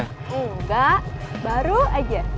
enggak baru aja